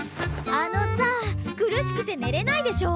あのさ苦しくてねれないでしょ！